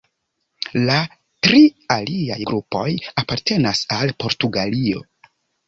La tri aliaj grupoj apartenas al Portugalio.